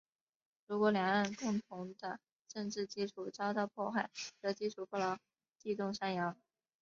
如果两岸共同的政治基础遭到破坏，则基础不牢，地动山摇。